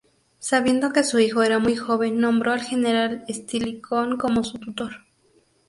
Sabiendo que su hijo era muy joven, nombró al general Estilicón como su tutor.